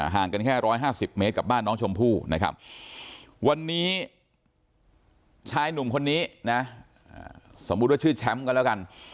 ห่างกันแค่๑๕๐เมตรกับบ้านน้องชมพู่นะครับวันนี้ชายหนุ่มคนนี้นะสมมุติว่าชื่อแชมป์กันแล้วกัน